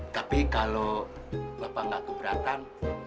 tapi kalau bapak nggak keberatan